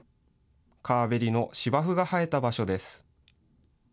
川べりの芝生が生えた場所です。